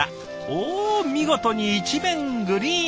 おお見事に一面グリーン！